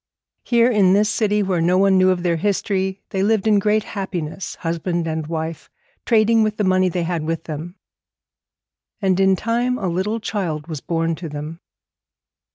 Here, in this city where no one knew of their history, they lived in great happiness, husband and wife, trading with the money they had with them. And in time a little child was born to them.